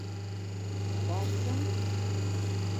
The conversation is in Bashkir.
- Барсын?!